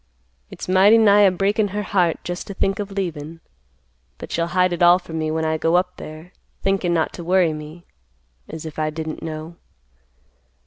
It's mighty nigh a breakin' her heart just to think of leavin', but she'll hide it all from me when I go up there, thinkin' not to worry me—as if I didn't know.